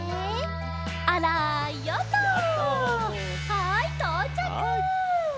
はいとうちゃく！